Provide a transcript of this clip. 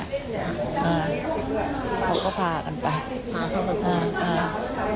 พวกเขาก็พากันไป